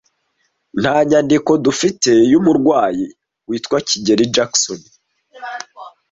Nta nyandiko dufite yumurwayi witwa kigeli Jackson.